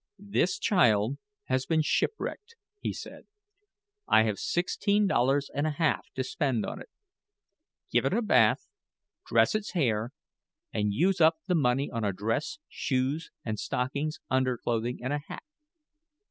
"This child has been shipwrecked," he said. "I have sixteen dollars and a half to spend on it. Give it a bath, dress its hair, and use up the money on a dress, shoes, and stockings, underclothing, and a hat."